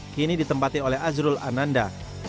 kini ditempati oleh azrul ananda